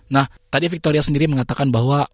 nah tadi victoria sendiri mengatakan bahwa